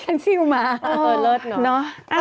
ฉันซิวมา